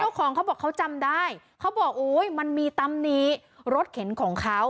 เขาบอกเขาจำได้เขาบอกโอ้ยมันมีปั๊มนี้รถเข็นของเขา